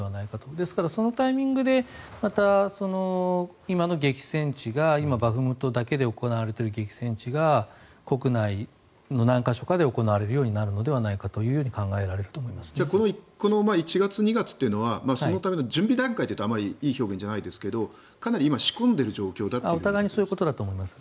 ですから、そのタイミングでまた今の激戦地が今バフムトだけで行われている激戦地が国内の何か所かで行われるのではないかとこの１月、２月というのはそのための準備段階というとあまりいい表現ではないですがかなり今、仕込んでいるということですか？